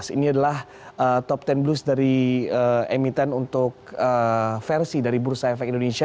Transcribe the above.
ini adalah top sepuluh blues dari emiten untuk versi dari bursa efek indonesia